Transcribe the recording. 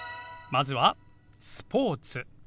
まずは「スポーツ」。